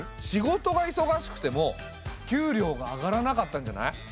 仕事がいそがしくても給料が上がらなかったんじゃない？